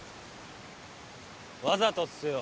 わざとっすよ。